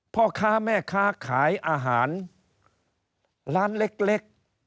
พ่อค้าแม่ค้าขายอาหารล้านเล็กไม่ได้รำรวยอาหาร